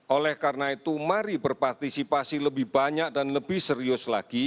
oleh karena itu mari berpartisipasi lebih banyak dan lebih serius lagi